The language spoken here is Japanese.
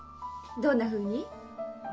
どんなふうに？